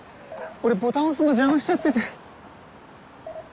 俺ボタン押すの邪魔しちゃってて。